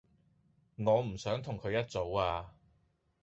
我唔想同佢一組呀